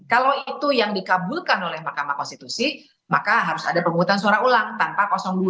kalau itu yang dikabulkan oleh mahkamah konstitusi maka harus ada pemungutan suara ulang tanpa dua